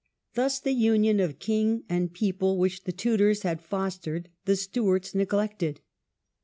Thus the union of king and people which the Tudors had fostered the Stewarts neglected.